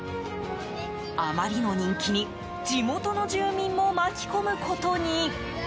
あまりの人気に地元の住民も巻き込むことに。